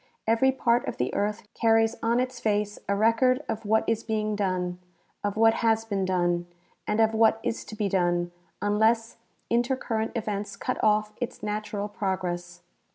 Every part of the earth carries on its face a record of what is being done, of Avhat has been done, and of what is to be clone, unless intercurrent events cut off its natural progress.